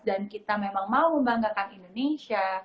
dan kita memang mau membanggakan indonesia